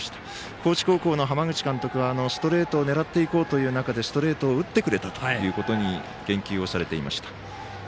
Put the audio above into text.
高知高校の浜口監督はストレート狙っていこうという中でストレートを打ってくれたというところに言及されていました。